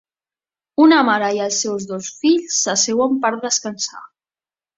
Una mare i els seus dos fills s'asseuen per descansar.